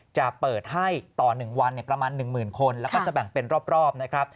จะเปิดให้ต่อ๑วันประมาณ๑หมื่นคนแล้วก็จะแบ่งเป็นรอบ